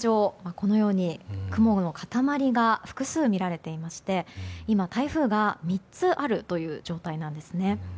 このように雲の塊が複数みられていまして今、台風が３つあるという状態なんです。